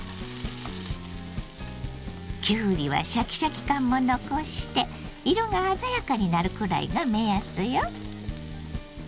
きゅうりはシャキシャキ感も残して色が鮮やかになるくらいが目安よ。